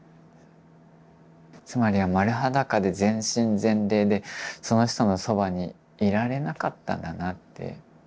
つまりは丸裸で全身全霊でその人のそばにいられなかったんだなって。